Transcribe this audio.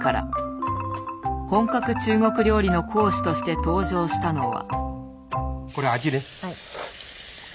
本格中国料理の講師として登場したのは。